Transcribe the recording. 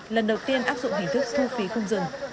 lần đầu tiên áp dụng hình thức thu phí không dừng